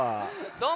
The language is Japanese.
どうも。